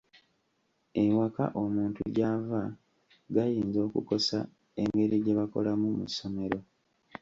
Ewaka omuntu gy'ava gayinza okukosa engeri gye bakolamu mu ssomero.